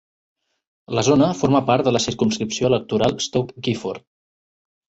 La zona forma part de la circumscripció electoral Stoke Gifford.